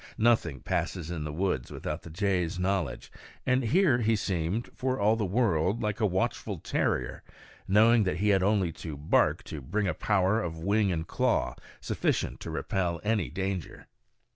Nothing passes in the woods without the jay's knowledge; and here he seemed, for all the world, like a watchful terrier, knowing that he had only to bark to bring a power of wing and claw sufficient to repel any danger.